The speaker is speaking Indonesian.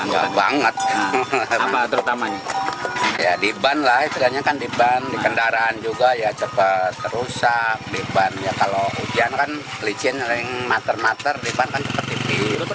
kondisi jalan yang dilintasi oleh lima desa ini pun berlubang dengan lebar satu hingga dua meter yang tersebar di sepanjang jalan